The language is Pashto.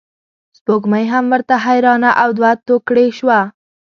سپوږمۍ هم ورته حیرانه او دوه توکړې شوه.